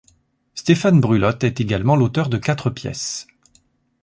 Stéphane Brulotte est également l’auteur de quatre pièces.